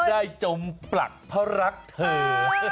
จะได้จมปลักพระรักเถอะ